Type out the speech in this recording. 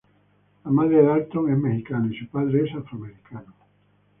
La madre de Dalton es mexicana y su padre es afroamericano.